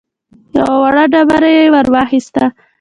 يوه وړه ډبره يې ور واخيسته.